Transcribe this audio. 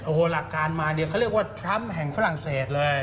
โอ้โหหลักการมาเนี่ยเขาเรียกว่าทรัมป์แห่งฝรั่งเศสเลย